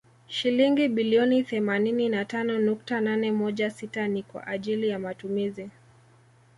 Shilingi bilioni themanini na tano nukta nane moja sita ni kwa ajili ya matumizi